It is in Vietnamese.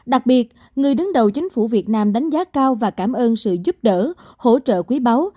đặc biệt người đứng đầu chính phủ việt nam đánh giá cao và cảm ơn sự giúp đỡ hỗ trợ quý báu